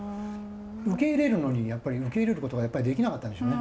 受け入れるのに受け入れることがやっぱりできなかったんでしょうね。